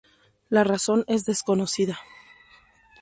La razón es desconocida.